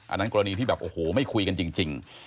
อันนั้นกรณีที่แบบโอ้โหไม่คุยกันจริง